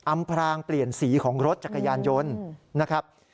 องพรางเปลี่ยนสีของรถจักรยานยนต์นะครับ